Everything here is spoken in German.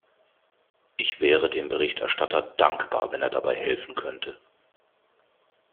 Ich wäre dem Berichterstatter dankbar, wenn er dabei helfen könnte.